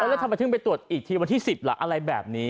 แล้วทำไมถึงไปตรวจอีกทีวันที่๑๐ล่ะอะไรแบบนี้